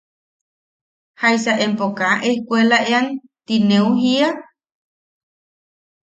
¿Jaisa empo kaa ejkuelaean ti neu jiia?